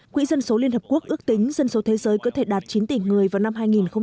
quỹ dân số liên hợp quốc ước tính dân số thế giới có thể đạt chín tỷ người vào năm hai nghìn hai mươi